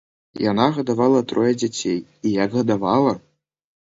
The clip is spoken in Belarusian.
Яна гадавала трое дзяцей, і як гадавала!